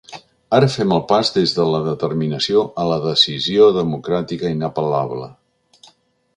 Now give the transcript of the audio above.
Ara fem el pas des de la determinació a la decisió democràtica inapel·lable.